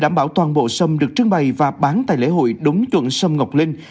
đảm bảo toàn bộ sâm được trưng bày và bán tại lễ hội đúng chuẩn sâm ngọc linh